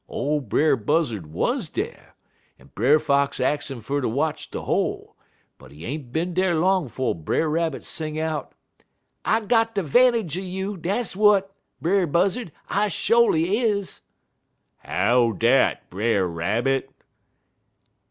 "Ole Brer Buzzard wuz dar, en Brer Fox ax 'im fer ter watch de hole, but he ain't bin dar long 'fo' Brer Rabbit sing out: "'I got de 'vantage un you, dis whet, Brer Buzzard, I sho'ly is.' "'How dat, Brer Rabbit?'